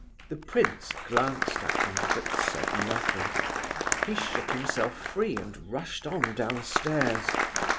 The prince glanced at him, but said nothing. He shook himself free, and rushed on downstairs.